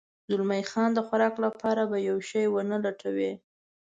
زلمی خان د خوراک لپاره به یو شی و نه لټوې؟